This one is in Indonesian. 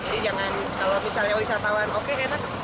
jadi jangan kalau misalnya wisatawan oke enak